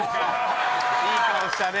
いい顔したね。